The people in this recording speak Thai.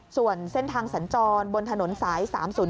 ส่วนเส้นทางสัญจรบนถนนสาย๓๐๔